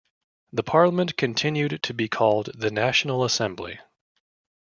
The parliament continued to be called the National Assembly.